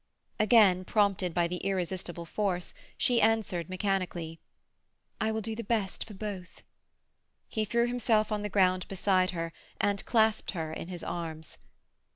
Again prompted by the irresistible force, she answered mechanically,— "I will do the best for both." He threw himself on the ground beside her and clasped her in his arms.